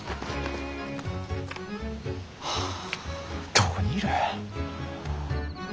どこにいる。